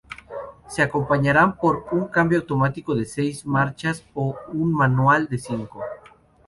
Se acompañarán por un cambio automático de seis marchas o un manual de cinco.